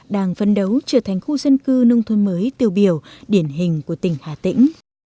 đang phấn đấu trở thành khu dân cư nông thôn mới tiêu biểu điển hình của tỉnh hà tĩnh